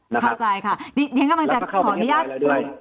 แล้วก็เข้าไปที่สุดแล้วด้วย